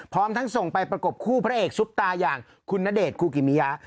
พร้อมทั้งส่งไปประกบคู่พระเอกซุปตาอย่างคุณณเดชนคูกิมิยะ